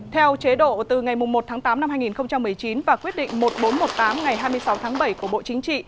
theo chế độ từ ngày một tháng tám năm hai nghìn một mươi chín và quyết định một nghìn bốn trăm một mươi tám ngày hai mươi sáu tháng bảy của bộ chính trị